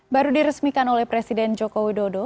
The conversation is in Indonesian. baru diresmikan oleh presiden joko widodo